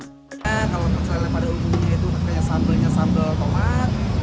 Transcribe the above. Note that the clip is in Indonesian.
kalau pecel lele pada umumnya itu tentunya sambalnya sambal